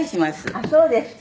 あっそうですか。